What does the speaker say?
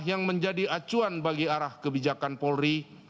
yang menjadi acuan bagi arah kebijakan polri